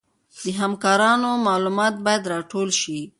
د همکارانو معلومات باید راټول شي.